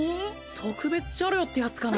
特別車両ってやつかな？